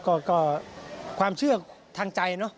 ก็ความเชื่อทางใจเนอะ